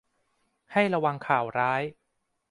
ให้ระวังข่าวร้าย